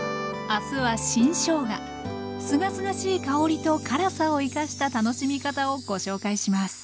すがすがしい香りと辛さを生かした楽しみ方をご紹介します